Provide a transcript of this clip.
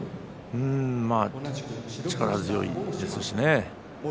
力強いですしね。